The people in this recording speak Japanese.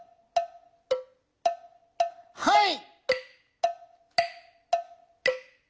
はい。